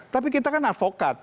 tapi kita kan advokat